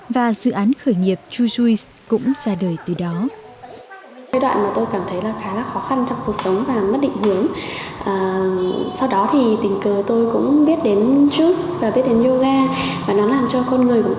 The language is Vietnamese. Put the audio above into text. và dự án của chị huyền là một trong những công việc đáng mơ ước